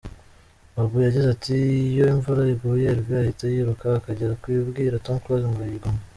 Babu yagize ati " Iyoimvura iguye, Herve ahita yiruka akajya kubwira Tom Close ngo yugame.